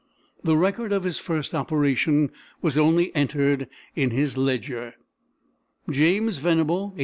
The record of his first operation was only entered in his ledger: "James Venable, 1842.